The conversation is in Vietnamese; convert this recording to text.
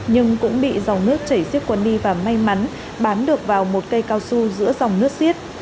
nhưng cũng bị dòng nước chảy xiết cuốn đi và may mắn bám được vào một cây cao su giữa dòng nước xiết